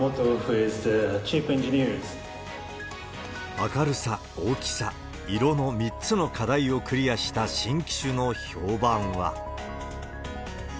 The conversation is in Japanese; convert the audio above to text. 明るさ、大きさ、色の３つの課題をクリアした新機種の評判は。